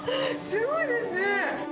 すごいですね！